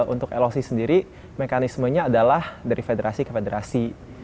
untuk loc sendiri mekanismenya adalah dari federasi ke federasi